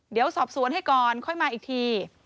เดี๋ยวสอบสวนให้ก่อนค่อยมาอีกที